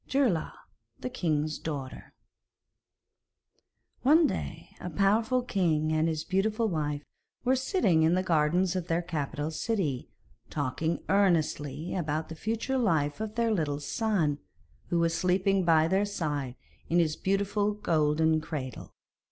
GEIRLAUG THE KING'S DAUGHTER One day a powerful king and his beautiful wife were sitting in the gardens of their capital city, talking earnestly about the future life of their little son, who was sleeping by their side in his beautiful golden cradle.